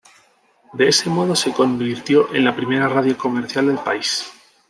De ese modo se convirtió en la primera radio comercial del país.